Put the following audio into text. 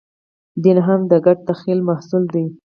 دین هم د ګډ تخیل محصول دی.